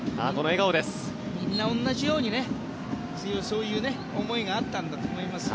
みんな同じようにそういう思いがあったんだと思いますよ。